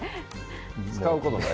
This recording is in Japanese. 使うことないわ。